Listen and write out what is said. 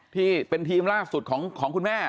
ที่เป็นทีมล่าสุดของคุณแม่